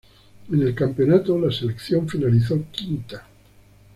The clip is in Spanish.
En el campeonato la selección finalizó quinta.